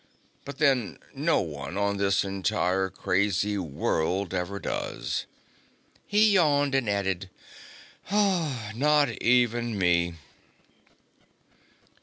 But then, no one on this entire crazy world ever does." He yawned and added: "Not even me."